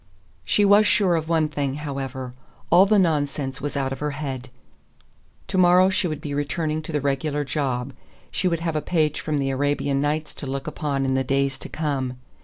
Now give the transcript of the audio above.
She was sure of one thing, however. All the nonsense was out of her head. To morrow she would be returning to the regular job. She would have a page from the Arabian Nights to look upon in the days to come.